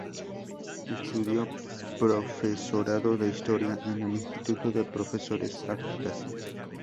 Estudió profesorado de historia en el Instituto de Profesores Artigas.